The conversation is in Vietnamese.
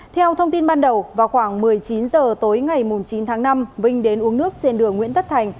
theo thông tin ban đầu vào khoảng một mươi chín h tối ngày chín tháng năm vinh đến uống nước trên đường nguyễn tất thành